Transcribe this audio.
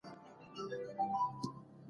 ستا سترو ګټو ما ته هم ګټه رارسولې ده.